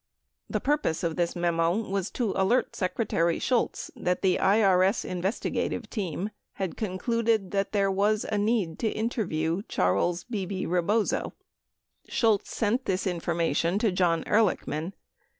1002 memo was to alert Secretary Shultz that the IES investigative team had concluded that there was a need to interview Charles "Bebe" Rebozo. 91 Shultz sent this information to John Ehrlichman.